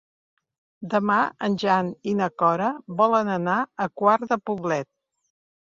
Demà en Jan i na Cora volen anar a Quart de Poblet.